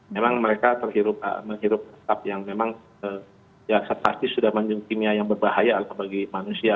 memang mereka menghirup asap yang memang ya pasti sudah menukimia yang berbahaya bagi manusia